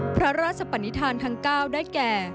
พระราชปนิษฐานทั้ง๙ได้แก่